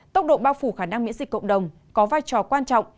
tốc độ bao phủ khả năng miễn dịch cộng đồng có vai trò quan trọng